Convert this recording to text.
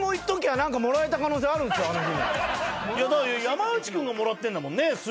山内君がもらってんだもんね。